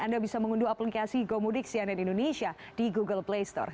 anda bisa mengunduh aplikasi gomudik cnn indonesia di google play store